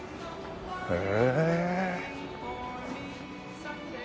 へえ。